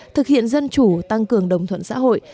thực hiện dân chủ tăng cường đồng thuận xã hội